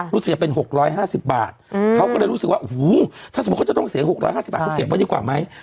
รู้สึกจะเป็น๖๕๐บาทเขาก็เลยรู้สึกว่าโอ้โหถ้าสมมุติเขาจะต้องเสีย๖๕๐บาทเขาเก็บไว้ดีกว่าไหม